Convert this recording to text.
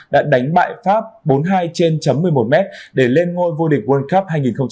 đã đánh bại pháp bốn hai trên chấm một mươi một mét để lên ngôi vô địch world cup hai nghìn hai mươi hai